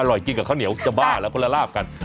กินกับข้าวเหนียวจะบ้าแล้วก็ละลาบกัน